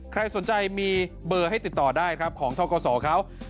ใครสนใจมีเบอร์ให้ติดต่อได้ครับของทกศเขา